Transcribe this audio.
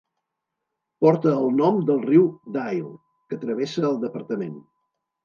Porta el nom del riu Dyle, que travessa el departament.